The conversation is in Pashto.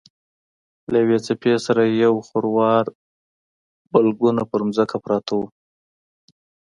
له یوې څپې سره یو خروار بلګونه پر ځمکه پراته وو.